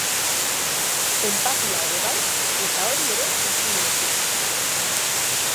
Enpatia ere bai, eta hori ere ez du lortu.